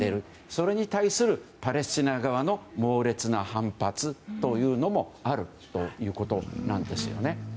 それに対するパレスチナ側の猛烈な反発というのもあるということなんですよね。